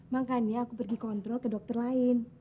makanya aku pergi kontrol ke dokter lain